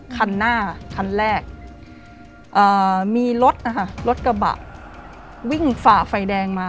คันหน้าคันแรกมีรถนะคะรถกระบะวิ่งฝ่าไฟแดงมา